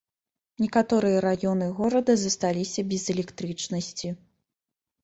Некаторыя раёны горада засталіся без электрычнасці.